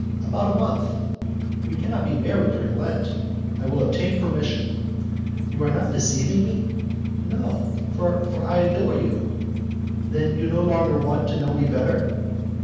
"About a month." "We cannot be married during Lent." "I will obtain permission." "You are not deceiving me?" "No, for I adore you." "Then, you no longer want to know me better?"